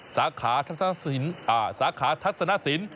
สาขาทัศนศีนย์